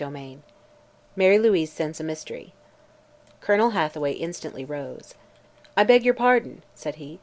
CHAPTER IX MARY LOUISE SCENTS A MYSTERY Colonel Hathaway instantly rose. "I beg your pardon," said he.